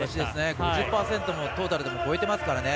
５０％もトータルで超えてますからね。